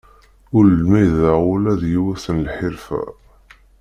Ur lmideɣ ula d yiwet n lḥirfa.